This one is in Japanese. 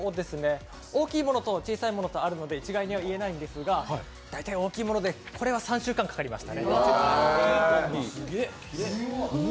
大きいものと小さいものとあるので一概には言えないんですが大体大きいもので、こちらは３週間かかりました。